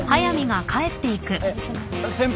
えっ先輩。